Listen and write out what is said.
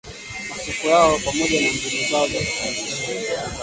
masoko yao pamoja na mbinu zao za kufanikisha biashara zao